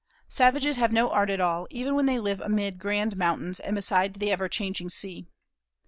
Savages have no art at all, even when they live amid grand mountains and beside the ever changing sea.